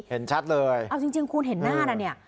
เห็นชัดเลยเอาจริงคุณเห็นหน้านะเนี่ย